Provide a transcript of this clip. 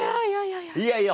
いやいや。